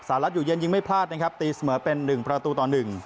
รัฐอยู่เย็นยิงไม่พลาดนะครับตีเสมอเป็น๑ประตูต่อ๑